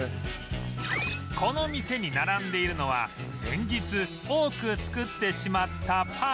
この店に並んでいるのは前日多く作ってしまったパン